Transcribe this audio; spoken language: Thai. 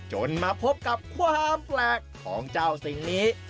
จนมาพบกับความแปลกของเจ้าสิ่งนี้